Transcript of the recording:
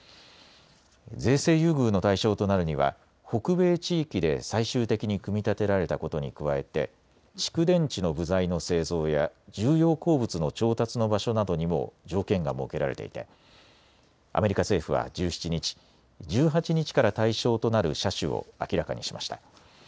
税制優遇の対象となるには北米地域で最終的に組み立てられたことに加えて蓄電池の部材の製造や重要鉱物の調達の場所などにも条件が設けられていてアメリカ政府は１７日、１８日から対象となる車種を明らかにしました。